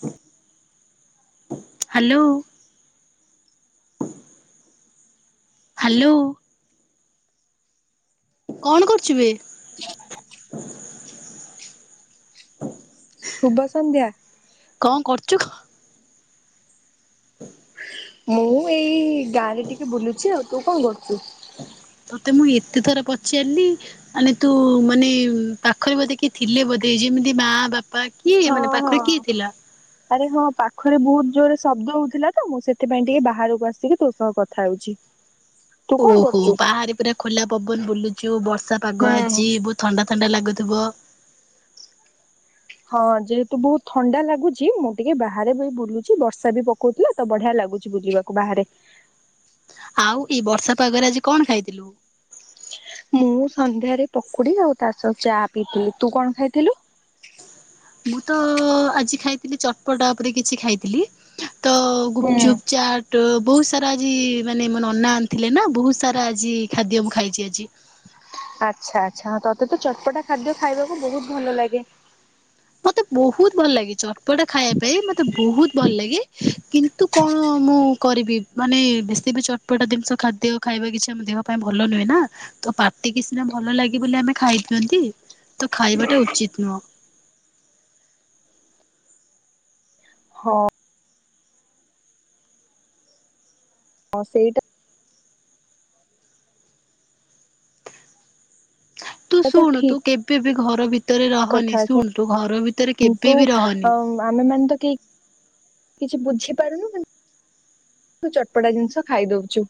ହ hello. Hello. କଣ କରୁଛିବେ? ଶୁଭ ସନ୍ଧ୍ୟା। ଚୁଖ। ହ। ମୁଁ ଏଇ ଗାଁରେ ଟିକେ ବୁଲୁଛି ଆଉ ତୁ କଣ କରୁଛୁ? [unintelligible] ତତେ ମୁଁ ଏତେ ଥର ପଚାରିଲି ମାନେ ତୁ ମାନେ ପାଖରେ ବୋଧେ କିଏ ଥିଲେ ବୋଧେ? ଯେମିତି ମା ବାପା କିଏ ହଁ ମାନେ ପାଖରେ ହଁ। କିଏ ଥିଲା? ଆରେ ହଁ ପାଖରେ ବହୁତ ଜୋରରେ ଶବ୍ଦ ହଉଥିଲା ତ ମୁଁ ସେଥିପାଇଁ ଟିକେ ବାହାରକୁ ଆସିକି ତୋ ସହ କଥା ହଉଛି। ଓହୋ ବାହାରେ ପୁରା ଖୋଲା ପବନ ବୁଲୁଚୁ ବର୍ଷା ପାଗ ହୁଁ। ଆଛି ବହୁତ ଥଣ୍ଡା ଥଣ୍ଡା ଲାଗୁଥିବ। ହଁ ଯେହେତୁ ବହୁତ ଥଣ୍ଡା ଲାଗୁଛି ମୁଁ ଟିକେ ବାହାରେ ବି ବୁଲୁଛି ବର୍ଷା ବି ପକଉଥିଲା ତ ବଢିଆ ଲାଗୁଛି। ବୁଲିବାକୁ ବାହାରେ ଆଉ ଏଇ ବର୍ଷା ପାଗରେ ଆଜି କଣ ଖାଇଥିଲୁ? ମୁଁ ସନ୍ଧ୍ୟାରେ ପକୁଡି ଆଉ ତାସ ଚା ପିଇଥିଲି ତୁ କଣ ଖାଇଥିଲୁ? ମୁଁ ତ ଆଜି ଖାଇଥିଲି ଚଟପଟା ଉପରେ କିଛି ଖାଇଥିଲି। ତ ହୁଁ। ଗୁପଚୁପ ଚାଟ। ବହୁତ ସାରା ଆଜି ମାନେ ମୋେ ନ ଅନା ଆଣିଥିଲେ ନା ବହୁତ ସାରା ଆଜି ଖାଦ୍ୟ ମୁଁ ଖାଇଛି ଆଜି ଆଚ୍ଛା ଆଚ୍ଛା ତତେ ତ ଚଟପଟା ଖାଦ୍ୟ ଖାଇବାକୁ ବହୁତ ଭଲ ଲାଗେ। ମତେ ବହୁତ ଭଲ ଲାଗେ ଚଟପଟା ଖାଇବା ପାଇଁ ମତେ ବହୁତ ଭଲ ଲାଗେ କିନ୍ତୁ କଣ ମୁଁ କରିବି ମାନେ ବେଶୀ ବି ଚଟପଟ ଜିନିଷ ଖାଦ୍ୟ ଖାଇ ଖାଇବା କିଛି ଆମ ଦେହ ପାଇଁ ଭଲ ନୁହେଁ ନା ତ ପାଟି କି ସିନା ଭଲ ଲାଗେ ବୋଲି ଆମେ ଖାଇ ଦିଅନ୍ତି। ତ ଖାଇବାଟା ଉଚିତ ନୁହ। ହଁ। ହଁ ସେଇଟା ତୁ ତ ଶୁଣୁ ତୁ ଠିକ କେବେ ବି ଘର ଭିତରେ ରହନି କଥା ଶୁଣୁ ତୁ ଘର ଭିତରେ କିନ୍ତୁ କେବେ ବି ରହନି। ଆମେ ମାନେ ତ କେହି ହ କିଛି ବୁଝିପାରୁନୁ ଚଟପଟା ଜିନିଷ ଖାଇ ଦଉଛୁ।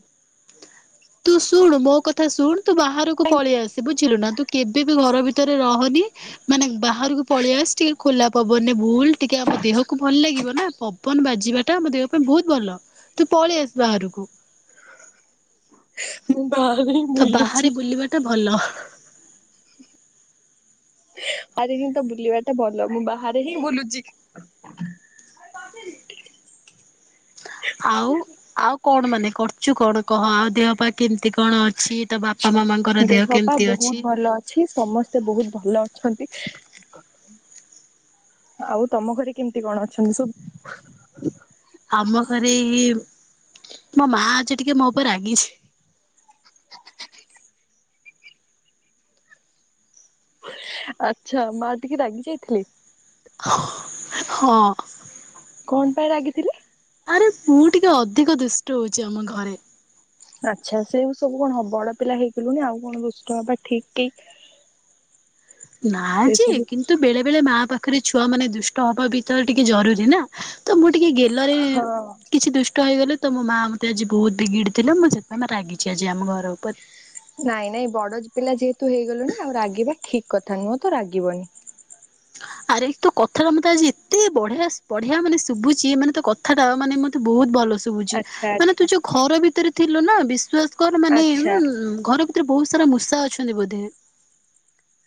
ତୁ ଶୁଣୁ ମୋ କଥା ଶୁଣୁ ତୁ ବାହାରକୁ ପଳେଇ ଆସ ବୁଝିଲୁ ନା ତୁ କେବେ ବି ଘର ଭରେ ରହନି ମାନେ ବାହାରକୁ ପଳେଇ ଆସ ଟିକେ ଖୋଲା ପବନି ଭୁଲ ଟିକେ ଆମ ଦେହକୁ ଭଲ ଲାଗିବ। ନା ପବନ ବାଜିବା ଟା ମୋ ଦେ ପାଇଁ ବହୁତ ଭଲ ତୁ ପଳେଇ ଆସ ବାକୁ। [unintelligible] ମୁଁ ବାହାରେ ହିଁ ତ ବୁଲୁଛି ବାହାରେ ବୁଲିବା ଟା ଭଲ। ଆରେ ହିଁ ତ ବୁଲିବାଟା ଭଲ ମୁଁ ବାହାରେ ହିଁ ବୁଲୁଛି। ଆଉ ଆଉ କଣ ମାନେ କରୁଛୁ କଣ କହ ଆଉ ଦେହ ପାା କେମତି? ଏତି କଣ ଅଛି ତ ବାପା ମାମାଙ୍କର ଦେହ ପା କେମିତି ବହୁତ ଅଛି? ଭଲ ଅଛି ସମସ୍ତେ ବହୁତ ଭଲ ଅଛନ୍ତି। ଆଉ ତମ ଘରେ କେମିତି କଣ ଅଛନ୍ତି ସବୁ? ଆମ ଘରେ ମୋ ମା ଅଛି ଟିକେ ମୋ ଉପରେ ରାଗିଛି। ହ ଆଛା ମା ଟିକେ ରାଗି ଯାଇଥିଲେ? ହଁ। କଣ ପାଇଁ ରାଗିଥିଲି? ଆରେ ମୁଁ ଟିକେ ଅଧିକ ଦୁଷ୍ଟ ହଉଛି ଆମ ଘରେ। ଆଚ୍ଛା ସେ ସବୁ କଣ ହ ବଡ ପିଲା ହେଇଗଲୁଣି ଆଉ କଣ ଦୁଷ୍ଟ ହବା ଠିକ କି। ନା ସେ ଯେ ସବୁ କିନ୍ତୁ ବେଳେ ବେଳେ ମା ପାଖରେ ଛୁଆ ମାନେ ଦୁଷ୍ଟ ହବା ବି ତ ଟିକେ ଜରୁରୀ ନା। ତ ମୁଁ ଟିକେ ଗେଲରେ ହଁ। କିଛି ଦୁଷ୍ଟ ହେଇଗଲେ ତ ମୋ ମା ମତେ ଆଜି ବହୁତ ବିଗିଡି ଥିଲେ ମୁଁ ସେଥିପାଇଁ ରାଗିଛି ଆଜି ଆମ ଘର ଉପରେ। ନାଇଁ ନାଇଁ ବଡ ପିଲା ଯେହେତୁ ହେଇଗଲୁଣିି ଆଉ ରାଗିବା ଠିକ କଥା ନ ମଁ ତ ରାଗିବନି। [inaudible] ଆରେ ତୋ କଥାଟା ମତେ ଆଜି ଏତେ ବଢିଆ ବଢିଆ ମାନେ ଶୁଭୁଛି ମାନେ ତୋ କଥାଟା ମାନେ ମତେ ବହୁତ ଭଲ ଶୁଭୁଚି ଆଚ୍ଛା ମାନେ ଆଚ୍ଛା ତୁ ଯୋଉ ଘର ଭିତରେ ଥିଲୁ ନା ବିଶ୍ୱାସ କର ମାନେ ଆଚ୍ଛା ଘର ରେ ବହୁତ ସାରା ମୂଷା ଅଛନ୍ତି ବୋଧେ।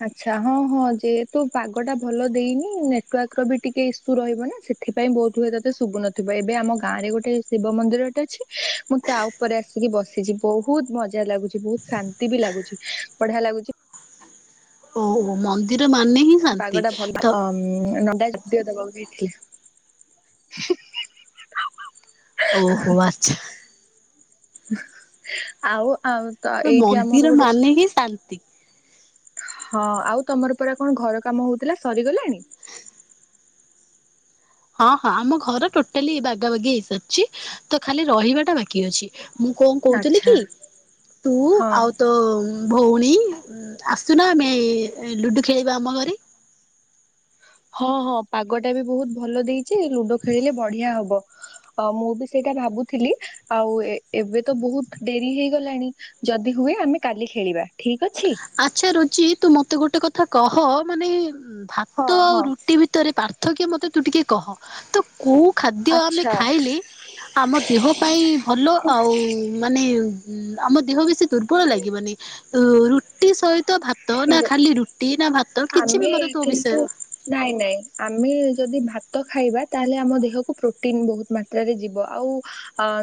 ଆଛା ହଁ ହଁ ଯେହେତୁ ପାଗ ଟା ଭଲ ଦେଇନି ନେଟୱାର୍କ ର ବି ଟିକେ ଇସୁ ରହିବ ନା ସେ ସେଥିପାଇଁ ବହୁତ ହୁଏ ତତେ ଶୁଭୁନଥିବ ଏବେ ଆମ ଗାଁରେ ଗୋଟେ ଶିବ ମନ୍ଦିରଟେ ଅଛି ମୁଁ ତା ଉପରେ ଆସି ଆସିକି ବସିଛି ବହୁତ ମଜା ଲାଗୁଛି ବହୁତ ଶାନ୍ତି ବି ଲାଗୁଛି ବଢିଆ ଲାଗୁଛି। [inaudible] ଓହ ମନ୍ଦିର ମ ପାଗ ଟା ଭଲ ନ ଦେ ଦେବାକୁ ଯାଇଥିଲି। ଓହୋ ଆଚ୍ଛା। ଆଉ ଆଉ ତ ଏଇଠି ମନ୍ଦିର ଆମର ଗୋଟେ ମାନେ ହିଁ ଶାନ୍ତି ହଁ ଆଉ ତମର ପରା କଣ ଘର କାମ ହଉଥିଲା ସରିଗଲାଣି। ହଁ ହଁ ଆମ ଘର ଟୋଟାଲି ବାଗା ବାଗି ହେଇସାରିଛି ତ ଖାଲି ରହିବାଟା ବାକି ଅଛି। ମୁଁ କଣ କହୁଥିଲି ଆଚ୍ଛା କି ତୁ ହଁ ଆଉ ତୋ ଭଉଣୀ ଆସୁନା ଆମେ ଲୁଡୁ ଖେଳିବା ଆମ ଘରେ। ହଁ ହଁ ପାଗଟା ବି ବହୁତ ଭଲ ଦେଇଛି ଲୁଡୋ ଖେଳିଲେ ବଢିଆ ହବ। ମୁଁ ବି ସେଇ ଭାବୁଥିଲି ଆଉ ଏବେ ତ ବହୁତ ଡେରି ହେଇଗଲାଣି ଯଦି ହୁଏ ଆମେ କାଲି ଖେ ଠିକ ଅଛି। ଆଚ୍ଛା ରୁଚି ତୁ ମତେ ଗୋଟେ କଥା କହ ମାନେ ଉ ହଁ ଭାତ ଆଉ ହଁ ରୁଟି ଭିତରେ ପାର୍ଥକ୍ୟ ମତେ ତୁ ଟିକେ କହ ତ କୋଉ ଖାଦ୍ୟ ଆମେ ଆଚ୍ଛା ଖାଇଲେ ଆମ ଦେହ ପାଇଁ ଭଲ ଆଉ ମାନେ ଉଁ ଆମ ଦେହ ବେଶୀ ଦୁର୍ବଳ ଲାଗିବନି ତ ରୁଟି ସହିତ ତ ଭାତ ନା ଠିକ ଖାଲି ରୁଟି ନା ଭାତ କିଛି ଆମେ ବି ମତେ ତୋ ବିଷୟ କିନ୍ତୁ ନାଇଁ ନାଇଁ ଆମେ ଯଦି ଭାତ ତ ଖାଇବା ତାହେଲେ ଆମ ଦେହକୁ ପ୍ରୋଟିନ ବହୁତ ମାତ୍ରାରେ ଯିବ ଆଉ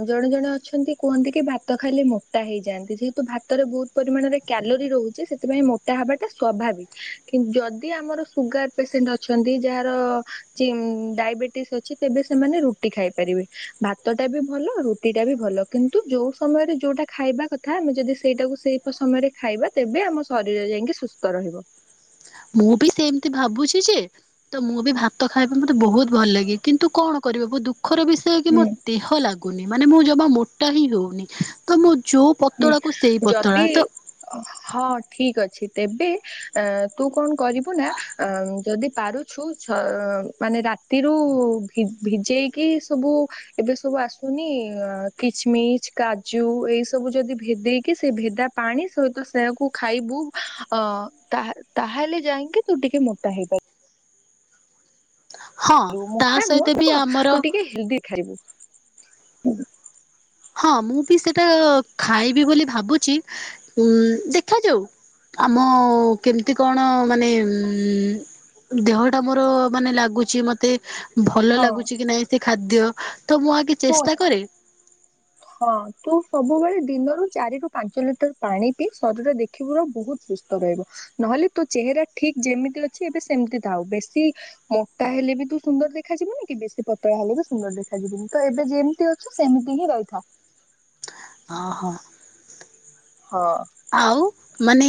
ଜଣେ ଜଣେ ଅଛନ୍ତି କୁହନ୍ତୀ କି ଭାତ ଖାଲି ମୋଟା ହେଇଯାନ୍ତି ଯେହେତୁ ଭାତରେ ବହୁତ ପରିମାଣରେ କ୍ୟାଲୋରି ରହୁଛି ସେଥିପାଇଁ ତାହା ହବାଟା ସ୍ୱାଭାବିକ କିନ୍ତୁ ଯଦି ଆମର ସୁଗାର ପେସେଣ୍ଟ ଅଛନ୍ତି ଯାହାର ଡାଇବେଟିସ୍ ଅଛି ତେବେ ସେମାନେ ରୁଟି ଖାଇପାରିବେ ଭାତ ଟା ବି ଭଲ ରୁଟି ଟା ବି ଭଲ କିନ୍ତୁ କିନ୍ତୁ ଯୋଉ ସମୟରେ ଯୋଉଟା ଖାଇବା କଥା ଆମେ ଯଦି ସେଇଟାକୁ ସେଇ ସମୟରେ ଖାଇବା ତେବେ ଆମ ଶରୀର ଯାଇକି ସୁସ୍ଥ ରହିବ। ମୁଁ ବି ସେମିତି ଭାବୁଛି ଯେ ତ ମୁଁ ବି ଭାତ ଖାଇବା ମତେ ବହୁତ ଭଲ ଲାଗେ କିନ୍ତୁ କଣ କ ଦୁଃଖର ବିଷୟ କି ହୁଁ। ମୋ ଦେହ ଲାଗୁନି ମାନେ ମୁଁ ଜମା ମୋଟା ହିଁ ହଉନି ତ ମୁଁ ଯୋଉ ହୁଁ ପତଳାକୁ ସେଇ ପତଳା ଯଦି ତ ହଁ ଠିକ ଅଛି। ତେବେ ଅ ତୁ କଣ କରିବୁ ନା ଯଦି ପାରୁଛୁ ମାନେ ରାତିରୁ ଭିଜେଇକି ସବୁ ଏବେ ସବୁ ଆସୁନି କିଚମି କାଜୁ ଏଇ ସବୁ ଯଦି ଭେଦେଇକି ସେ ଭେଦା ପାଣି ସହିତ ସେକୁ ଖାଇବୁ ଅ ତା ତାହେଲେ ଯାଇକି ତୁ ଟିକେ ମୋଟା ହେଇପାରିବୁ। ହଁ ମୋ ତା ମୋଟା ସହିତ ନୁହଁ ବି ମୁହଁ ଆମର ତୁ ଟିକେ ହେଲ୍ଦି ଖାଇବୁ? ହଁ ମୁଁ ବି ସେଟା ଖାଇବି ବୋଲି ଭାବୁଛି ଉ ଦେଖାଯାଉ। ଆମ କେମିତି କଣ ମାନେ ଉ ଦେହ ଟା ମୋର ମାନେ ଲାଗୁଛି ମତେ ଭଲ ହଁ ଲାଗୁଛି କି ନାଇଁ ସେ ଖାଦ୍ୟ। ତ ମୁଁ ଆଗେ ଶୁଣ ଚେଷ୍ଟା କରେ। ହଁ ତୁ ସବୁବେଳେ ଦିନରୁ ଚାରି ରୁ ପାଞ୍ଚ ଲିଟର ପାଣି ପିଇ ଶରୀର ଦେଖିବୁୁର ବହୁତ ସୁସ୍ଥ ରହିବ ନହେଲେ ତୋ ଚେହେରା ଠିକ ଯେମିତି ଅଛି ଏବେ ସେମିତି ଥାଉ ବେଶୀ ମୋଟା ହେ ହେଲେ ବି ତୁ ସୁନ୍ଦର ଦେଖାଯିବୁନି କି ବେଶୀ ପତଳା ହେଲେ ବି ସୁନ୍ଦର ଦେଖା ଯିବନି ତ ଏବେ ଯେମିତି ଅଛୁ ସେମିତି ହିଁ ରହି ଥା। ଓ ହୋ। ହଁ। ଆଉ ମାନେ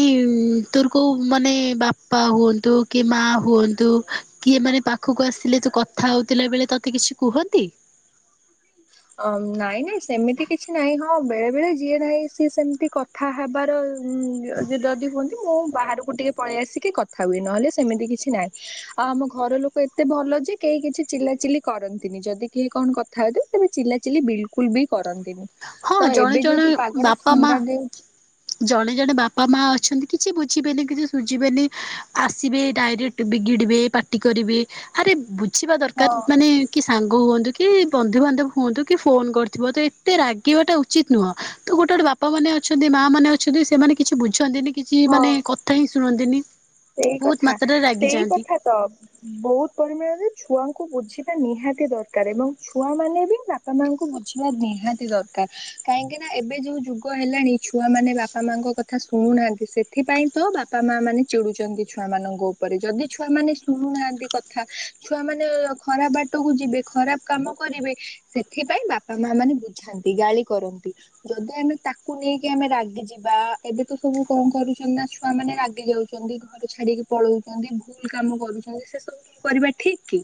ତୋର କୋଉଁ ମାନେ ବାପା ହୁଅନ୍ତୁ କି ମା ହୁଅନ୍ତୁ ତୁ କିଏ ମାନେ ପାଖକୁ ଆସିଲେ ତୁ କଥା ହଉଥିଲା ବେଳେ ତତେ କିଛି କୁହନ୍ତି? ଅ ନାଇଁ ନାଇଁ ସେମିତି କିଛି ନାହିଁ ହଁ ବେଳେ ବେଳେ ଯିଏ ନାହିଁ ସିଏ ସେମିତି କଥା ହେବାର ହୁଁ ଯ ଯଦି ହୁଅନ୍ତି ମୁଁ ବାହାରକୁ ଟିକେ ପଳେଇ ଆସିକି କଥା ହୁଏ ନହେଲେ ସେମିତି କିଛି ନାହିଁ ଆଉ ଆମ ଘର ଲୋକ ଏତେ ଭଲ ଯେ କେହି କିଛି ଚିଲା ଚିଲି କରନ୍ତିନି ଯଦି କେହି କଣ କଥା ହୁଏ ତେବେ ଚିଲା ଚିଲି ବିଲକୁଲ ବି କରନ୍ତିନି। ହଁ ତ ଜଣେ ଏବେ ଜଣେ ଯେହେତୁ ପାଗ ଟା ବାପା ମା ଥଣ୍ଡା ଦେଉଛି ଜଣେ ଜଣେ ବାପା ମା ଅଛନ୍ତି କିଛି ବୁଝିବେନି କିଛି ସୁୁଝିବେନି ଆସିବେ ଡାଇରେକ୍ଟ ବିଗିଡିବେ ପାଟି କରିବେ ଆରେ ବୁଝିବା ଦରକାର ହଁ ମାନେ କି ସାଙ୍ଗ ହୁଅନ୍ତୁ କି ବନ୍ଧୁବାନ୍ଧବ ହୁଅନ୍ତୁ କି ଫୋନ କରିଥିବ ତ ଏତେ ରାଗିବାଟା ଉଚିତ ନୁହଁ ତ ଗୋଟେ ଗୋଟ ଗୋଟେ ବାପା ମାନେ ଅଛନ୍ତି ମା ମାନେ ଅଛନ୍ତି ସେମାନେ କିଛି ବୁଝନ୍ତିନି କିଛି ହଁ। ମାନେ କଥା ହିଁ ଶୁଣନ୍ତିନି। ସେଇ ବହୁତ କଥା ମାତ୍ରାରେ ସେଇ ରାଗିଯାଆନ୍ତି। କଥା ତ ବହୁତ ପରିମାଣରେ ଛୁଆଙ୍କୁ କୁ ବୁଝିବା ନିହାତି ଦରକାର ଏବଂ ଛୁଆ ମାନେ ବି ବାପା ମାଙ୍କୁ ବୁଝିବା ନିହାତି ଦରକାର। କାହିଁକି ନା ଏବେ ଯୋଉ ଯୁଗ ହେଲାଣି ଛୁଆ ମାନେ ବାପା ମାଙ୍କ କଥା ଶୁନାହାନ୍ତି ସେଥିପାଇଁ ତ ବାପା ଆ ମାନେ ଚିଡୁଛନ୍ତି ଛୁଆ ମାନଙ୍କ ଉପରେ ଯଦି ଛୁଆ ମାନେ ଶୁଣୁନାହାନ୍ତି କଥା ଛୁଆ ମାନେ ଖରାପ ବା ଟକୁ ଯିବେ ଖରାପ କାମ କରିବେ ସେଥିପାଇଁ ବାପା ମା ମାନେ ବୁଝାନ୍ତି ଗାଳି କରନ୍ତି। ଯଦି ଆମେ ତାକୁ ନେଇକି ଆମେ ରାଗି ଯିବା ଏବେ ତ ସବୁ କଣ କରୁଛନ୍ତି ନା ଛୁଆ ମାନେ ରାଗି ଯାଉଛନ୍ତି। ଘର ଛାଡିକି ପଳଉଛନ୍ତି ଭୁଲ କାମ କରୁଛନ୍ତି ସେ ସବୁ କରିବା ଠିକ କି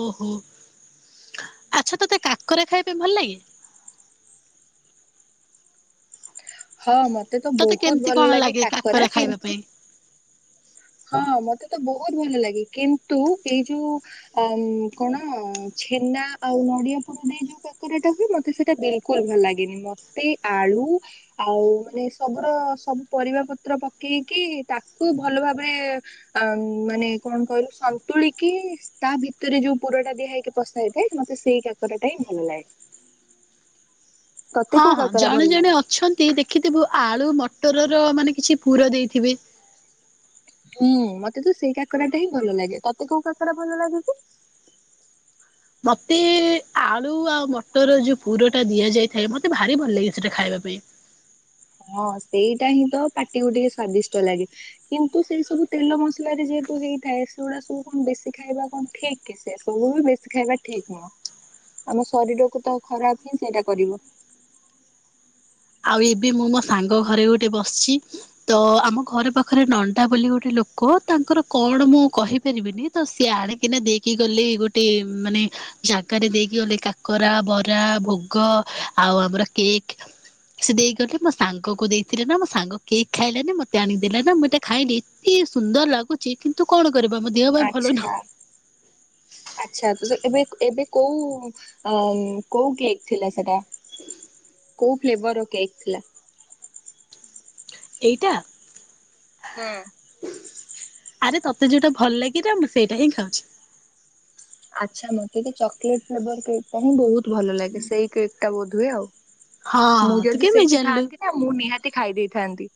ଓହୋ ଆଚ୍ଛା ତୋତେ କାକରା ଖାଇବା ପାଇଁ ଭଲ ଲାଗେ? ହଁ ମତେ ତ ତୋତେ ବହୁତ କେମିତି ଭଲ କଣ ଲାଗେ କାକରା ଖାଇବା କିନ୍ତୁ ପାଇଁ? ହଁ ମତେ ତ ବହୁତ ଭଲ ଲାଗେ କିନ୍ତୁ ଏଇ ଯୋଉ ଅ କଣ ଛେନା ଆଉ ନଡ଼ିଆ ପୋଡ଼ ଦେଇ ଯେଉ କାକରାଟା ହୁଏ ମତେ ସେଇଟା ବିଲକୁଲ ଭଲ ଲାଗେନି ମୋତେ ଆଳୁ ଆଉ ମାନେ ସବ ସବୁ ପରିବା ପତ୍ର ପକେଇକି ତାକୁ ଭଲ ଭ ମାନେ କଣ କହିଲୁ ସନ୍ତୁଳିକି କି ତା ଭିତରେ ଯୋଉ ପୁରଟା ଦିଆ ହେଇକ ପସାଇଥାଏ ମତେ ସେଇ କାକରଟା ହିଁ ଭଲ ଲାଗେ। ହୁଁ ତତେ ହଁ କୋଉ ହଁ କାକରା ଜଣେ ଭଲ ଜଣେ ଲାଗେ? ଅଛନ୍ତି ଦେଖିଥିବୁ ଆଳୁ ମଟର ମାନେ କିଛି ପୁର ଦେଇଥିବେ। ହୁଁ ମତେ ତ ସେଇ କାକରାଟା ହିଁ ଭଲ ଲାଗେ ତତେ କୋଉ କାକରା ଭଲ ଲାଗେ କି? ମତେ ହଁ ସେଇଟା ହିଁ ତ ପାଟିକୁ ଟିକେ ସ୍ଵାଦିଷ୍ଟ ଲାଗେ କିନ୍ତୁ ସେଇ ସବୁ ତେଲ ମସଲା ଯେହେତୁ ହେଇ ଥାଏ ସେଗୁଡା ସବୁ କଣ ବେଶୀ ଖାଇବା କଣ ଠିକ କି ସେ ସବୁ ବି ବେଶୀ ଖାଇବା ଠିକ୍ ନୁହଁ। ଆମ ଶରୀରକୁ ତ ଖରାପ ହିଁ ସେଇଟା କରିବ। ଆଉ ଏବେ ମୁଁ ମୋ ସାଙ୍ଗ ଘରେ ଗୋଟେ ବସିଛି ତ ଆମ ଘରେ ପାଖରେ ନଣ୍ଡା ବୋଲି ଗୋଟେ ଲ ଲୋକ ତାଙ୍କର କଣ ମୁଁ କହିପାରିବିନି ତ ସିଏ ଆଣିକିନା ଦେଇକି ଗଲେ ଗୋଟେ ମାନେ ଜାଗାରେ ଦେଇକି ଗଲେ କାକରା ବରା ଭୋଗ ଆଉ ଆମର କେକ୍ ସେ ଦେଇଗଲେ ମୋ ସାଙ୍ଗକୁ ଦେଇଥିଲେ ସେ ଦେଇକି ଗଲେ ନା ମୋ ସାଙ୍ଗ କେକ୍ ଖାଇଲାନି ମତେ ଆଣିଦେଲା ନା ମୁଁ ଏଇଟା ଖାଇଲିି ଏତେ ସୁନ୍ଦର ଲାଗୁଛି କିନ୍ତୁ କଣ କରିବା ମୋ ଦେହ ପାଇଁ ଭଲ ନୁହଁ ଆଛା ଆଛା ତ ଏବେ ଏବେ କୋଉଁ କୋଉଁ କେକ୍ ଥିଲା ସେଟା। [inaudible] କୋଉଁ ଫ୍ଲେଭର କେକ୍ ଥିଲା। ଏଇଟା ହଁ। ଆରେ ତତେ ଯୋଉଁଟା ଭଲ ଲାଗିଲ ମୁଁ ସେଇଟା ହିଁ ଖାଉଛି। ଆଚ୍ଛା ମତେ ତ ଚକୋଲେଟ ଫ୍ରେବର କେକ୍ ଟା ହିଁ ବହୁତ ଭଲ ଲାଗେ ସେଇ କେକ୍ ଟା ବୋଧଏ ଆଉ। ହଁ ମୁଁ ତୁ ଯଦି କେମିତି ସେଇଠି ଜାଣିଲୁ ଥାଆନ୍ତି, ନା ମୁଁ ନିହାତି ଖାଇ ଦେଇଥାନ୍ତି।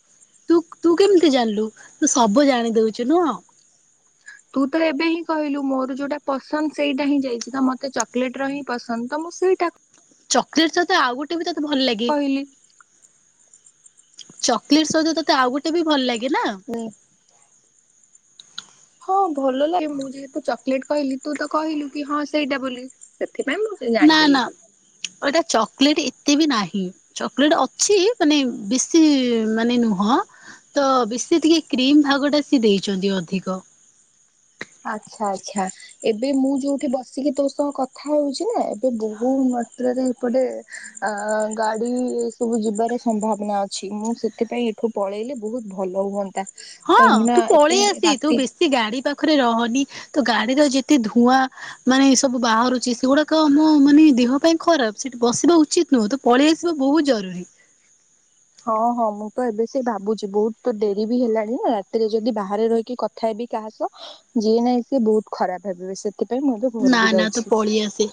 ତୁ ତୁ କେମିତି ଜାଣିଲୁ? ତୁ ସବୁ ଜାଣି ଦଉଛୁ ନୁହଁ। ତୁ ତ ଏବେ ହିଁ କହିଲୁ ମୋର ଯୋଉଁଟା ପସନ୍ଦ ସେଇଟା ହିଁ ଯାଇଛି। ତ ମତେ ଚକୋଲେଟ ର ହିଁ ପସନ୍ଦ ତ। ଅସୁବି ଚକଲେଟ ସହିତ ଆଉ ଗୋଟେ ବି ତତେ ଭଲ ଲାଗେ। କହିଲି। ଚକୋଲେଟ ସହିତ ତୋତେ ଆଉ ଗୋଟେ ବି ଭଲ ଲାଗେ ନା। ହଁ ଭଲ ଲାଗେ, ମୁଁ ଯେହେତୁ ଚକୋଲେଟ କହିଲି ତୁ ତ କହିଲୁ କି ହଁ ସେଇଟା ବୋଲି। ସେ ପାଇଁ ମୁଁ ଜାଣି ନା ଦେଲି। ନା ଏଇଟା ଚକୋଲେଟ ଏତେ ବି ନାହିଁ ଚକୋଲେଟ ଅଛି ମାନେ ବେଶୀ ମାନେ ନୁହଁ। ହଁ ତ ବେଶୀ ଟିକେ କ୍ରିମ ଭାଗ ଟା ସି ଦେଇଛନ୍ତି ଅଧିକ। ଆଚ୍ଛା ଆଚ୍ଛା ଏବେ ମୁଁ ଯୋଉଁଠି ବସିକି ତୋ ସହ କଥା ହଉଛି ନା ଏବେ ବହୁତ ମାତ୍ରାରେ ଏପଟେ ଗାଡି ସବୁ ଯିବାର ସମ୍ଭାବନା ଅଛି। ମୁଁ ସେଥିପାଇ ଏଠୁ ପଳେଇଲେ ବହୁତ ଭଲ ହୁଅନ୍ତା। ହଁ କାହିଁକି ନା ତୁ ଏତେ ପଳେଇ ଆସ ତୁ ରାତି ବେଶୀ ଗାଡି ପାଖରେ ରହନି। ତ ଗାଡିର ଯେତେ ଧୂଆଁ ମାନେ ଏ ସବୁ ବାହାରୁଛି ସେଗୁଡାକ ଆମ ମାନେ ଦେହ ପାଇଁ ଖରାପ। ସେଠି ବସିବା ଉଚିତ ନୁହଁ ତ ପଳେଇ ଆସିବା ବହୁତ ଜରୁରୀ। ହଁ ହଁ, ମୁଁ ତ ଏବେ ସେ ଭାବୁଛି ବହୁତ ତ ଡରି ବି ହେଲାଣି ନା ରାତିରେ ଯଦି ବାହାରେ ରହିକି କଥା ହେ ବି କାହା ସହ ଯିଏ ନାଇଁ ସିଏ ବହୁତ ଖରାପ ଭାବିବେ ସେ ଥିପାଇଁ ମୁଁ ଏବେ ନା ଘରକୁ ନା ତୁ ଯାଉଛି। ପଳେଇ ଆସେ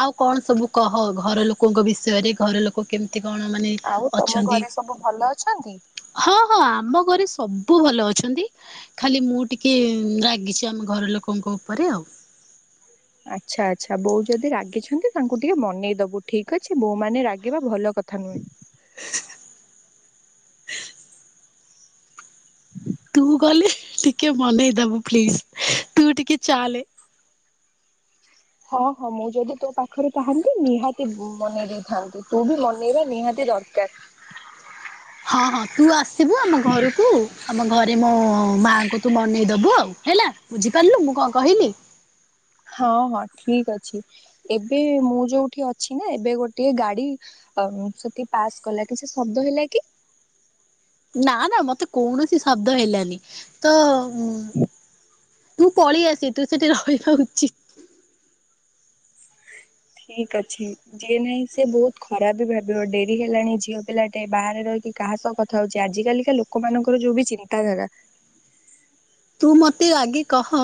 ଆଉ କଣ ସବୁ କହ ଘର ଲୋକଙ୍କ ବିଷୟରେ ଘର ଲୋକ କେମତି? କେମିତି କଣ ମାନେ ଆଉ ତମ ଅଛନ୍ତି? ଘରେ ସବୁ ଭଲ ଅଛନ୍ତି? ହଁ ହଁ ଆମ ଘରେ ସବୁ ଭଲ ଅଛନ୍ତି। ଖାଲି ମୁଁ ଟିକେ ରାଗିଛି ଆମ ଘର ଲୋକଙ୍କ ଉପରେ ଆଉ। [inaudible] ଆଚ୍ଛା ଆଛା ବୋଉ ଯଦି ରାଗିଛନ୍ତି ତାଙ୍କୁ ଟିକେ ମନେଇ ଦବୁ ଠିକ ଅଛି। ବୋଉ ମାନେ ରାଗିବା ଭଲ କଥା କଥା ନୁହଁ। [unintelligible] ତୁ ଗଲେ ଟିକେ ମନେଇଦବୁ ପ୍ଲିଜ ତୁ ଟିକେ ଚାଲେ। ହଁ ହଁ, ମୁଁ ଯଦି ତୋ ପାଖରେ ଥାନ୍ତି ନିହାତି ମନେଇ ଦେଇଥାନ୍ତି। ତୁ ବି ମନେଇବା ନିହାତି ଦରକାର। ହଁ ହଁ ତୁ ଆସିବୁ ଆମ ଘରକୁ ଆମ ଘରେ ମୋ ମାଙ୍କୁ ତୁ ମନେଇଦବୁ, ଆଉ ହେଲା ବୁଝିପାରିଲୁ ମୁଁ କଣ କହିଲି? ହଁ ହଁ ଠିକ ଅଛି ଏବେ ମୁଁ ଯୋଉଁଠି ଅଛି ନା ଏବେ ଗୋଟଏ ଗାଡି ସେଠି ପାସ୍ କଲା କିଛି ଶବ୍ଦ ହେଲା କି? [inaudible] ନା ନା ମତେ କୌଣସି ଶବ୍ଦ ହେଲାନି ତ ଉଁ। ମୁଁ ପଳେଇ ଆସି ତୁ ସେଠି ରହିବା ଉଚିତ। ଠିକ ଅଛି। ଯିଏ ନାହିଁ ସିଏ ବହୁତ ଖରାପ ବି ଭାବିବ ଡେରି ହେଲାଣି ଝିଅ ପିଲା ଟେ ବାହାରେ ରହି କାହା ସହ କଥା ହୋଉଚି ଆଜି କାିକା ଲୋକମାନାନଙ୍କର ଯୋଉ ବି ଚିନ୍ତାଧାରା। ତୁ ମତେ ଆଗେ କହ?